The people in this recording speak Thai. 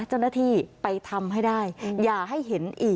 เจ้าหน้าที่ไปทำให้ได้อย่าให้เห็นอีก